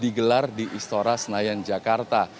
digelar di istora senayan jakarta